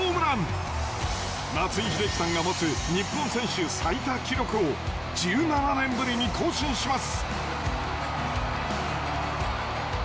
松井秀喜さんが持つ日本選手最多記録を１７年ぶりに更新します。